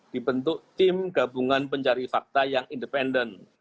dibentuk tim gabungan pencari fakta yang independen